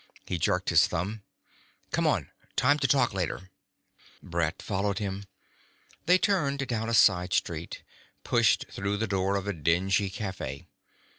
He jerked his thumb. "Come on. Time to talk later." Brett followed him. They turned down a side street, pushed through the door of a dingy cafe.